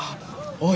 おい